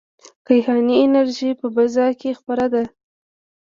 کیهاني انرژي په فضا کې خپره ده.